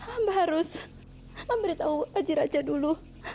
aku harus memberitahu haji raja dulu